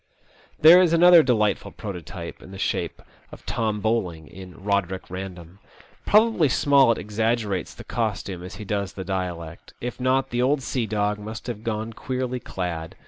There is another delightful prototype in the shape of Tom Bowling in "Eoderick Bandom.*' Probably Smollett exaggerates the costume as he does the dialect. If not, the old sea dog must have gone queerly clad.